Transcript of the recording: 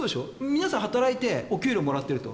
皆さん、働いてお給料をもらっていると。